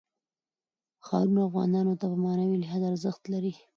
ښارونه افغانانو ته په معنوي لحاظ ارزښت لري.